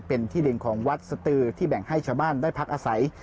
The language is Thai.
เป็นที่ดินของวัดสตือที่แบ่งให้ชาวบ้านได้พักอาศัย